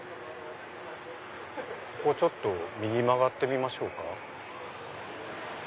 ここちょっと右曲がってみましょうか。